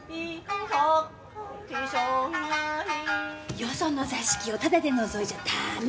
よその座敷をタダで覗いちゃダメ！